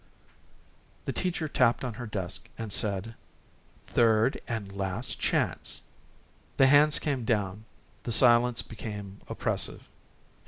The teacher tapped on her desk and said: "Third and last chance." The hands came down, the silence became oppressive.